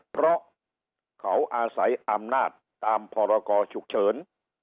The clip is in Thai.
เพราะเขาอาศัยอำนาจตามพรกรฉุกเฉิน